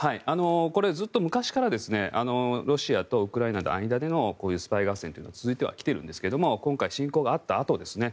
ずっと昔からロシアとウクライナの間でのこういうスパイ合戦は続いてはきているんですが今回、侵攻があったあとですね